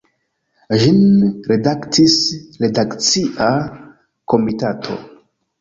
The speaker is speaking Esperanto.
Ĝin redaktis redakcia komitato.